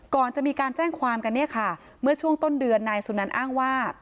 ก่อนจะมีการแจ้งความกันเนี่ยค่ะเมื่อช่วงต้นเดือนนายสุนันอ้างว่า